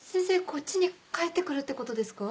こっちに帰って来るってことですか？